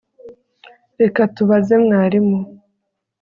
reka tubaze mwarimu